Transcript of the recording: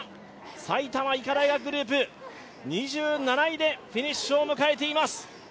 埼玉医科大学グループ、２７位でフィニッシュを迎えております。